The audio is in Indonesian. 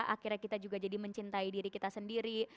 akhirnya kita juga jadi mencintai diri kita sendiri